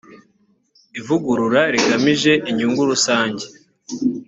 ivugurura rigamije inyungu rusange